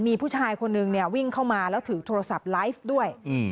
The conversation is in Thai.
มีผู้ชายคนนึงเนี่ยวิ่งเข้ามาแล้วถือโทรศัพท์ไลฟ์ด้วย